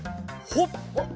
ほっ！